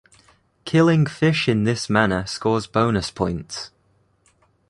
Killing fish in this manner scores bonus points.